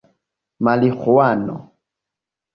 mariĥuano